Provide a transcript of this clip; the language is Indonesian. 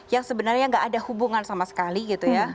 yang sebenarnya gak ada hubungan sama sekali gitu ya